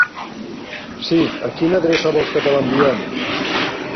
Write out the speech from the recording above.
Sí, a quina adreça vols que te l'enviem?